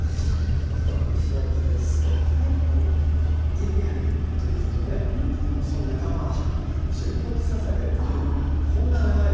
いんげんというとねその仲間十六ささげっていうこんな長い。